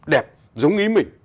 đẹp giống ý mình